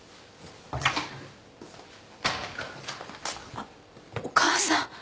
・あっお母さん。